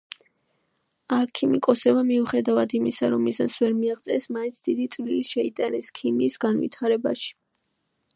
ალქიმიკოსებმა, მიუხედავად იმისა, რომ მიზანს ვერ მიაღწიეს, მაინც დიდი წვლილი შეიტანეს ქიმიის განვითარებაში.